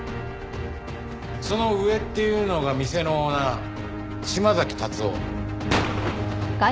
その上っていうのが店のオーナー島崎達夫。